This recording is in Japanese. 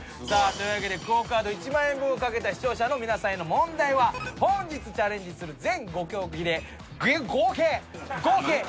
さあというわけでＱＵＯカード１万円分を懸けた視聴者の皆さんへの問題は本日チャレンジする全５競技でげ合計合計。